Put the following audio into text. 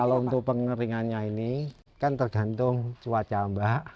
kalau untuk pengeringannya ini kan tergantung cuaca mbak